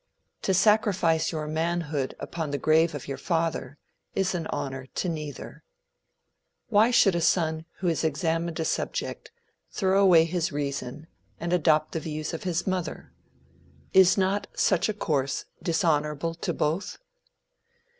To sacrifice your manhood upon the grave of your father is an honor to neither. Why should a son who has examined a subject, throw away his reason and adopt the views of his mother? Is not such a course dishonorable to both?